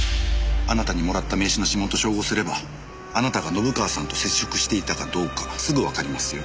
あなたにもらった名刺の指紋と照合すればあなたが信川さんと接触していたかどうかすぐわかりますよ。